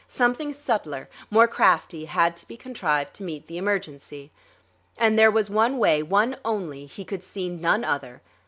Something subtler, more crafty, had to be contrived to meet the emergency. And there was one way, one only; he could see none other.